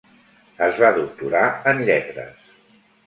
Es va doctorar en lletres.